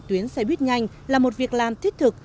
tuyến xe buýt nhanh là một việc làm thiết thực